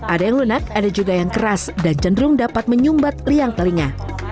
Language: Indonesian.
ada yang lunak ada juga yang keras dan cenderung dapat menyumbat liang telinga